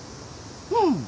うん。